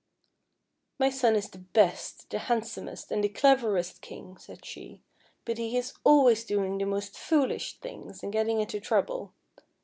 " My son is the best, the handsomest, and the clever est King," said she, " but he is always doing the most foolish things, and getting into trouble.